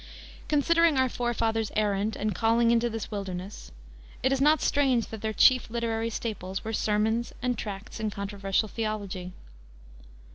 Considering our forefathers' errand and calling into this wilderness, it is not strange that their chief literary staples were sermons and tracts in controversial theology.